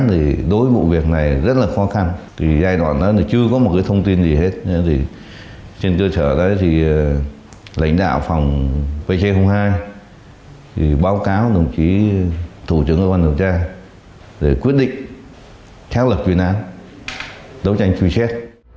thì giai đoạn đó là chưa có một cái thông tin gì hết nên thì trên cơ sở đó thì lãnh đạo phòng bch hai thì báo cáo đồng chí thủ trường cơ quan điều tra để quyết định xác lập chuyên án đấu tranh truy xét